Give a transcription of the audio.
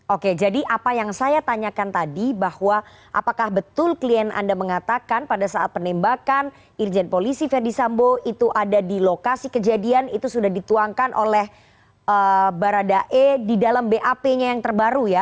oke jadi apa yang saya tanyakan tadi bahwa apakah betul klien anda mengatakan pada saat penembakan irjen polisi verdi sambo itu ada di lokasi kejadian itu sudah dituangkan oleh baradae di dalam bap nya yang terbaru ya